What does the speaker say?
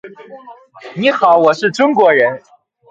你好，我是中国人。